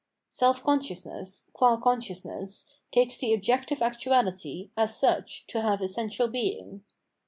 Self consciousness, qua consciousness, takes the objective actuality, as such, to have essential being.